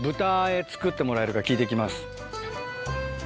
作ってもらえるか聞いてきます。